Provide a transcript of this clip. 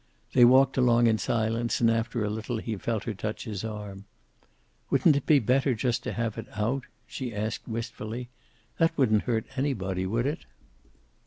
They walked along in silence, and after a little he felt her touch his arm. "Wouldn't it be better just to have it out?" she asked, wistfully. "That wouldn't hurt anybody, would it?"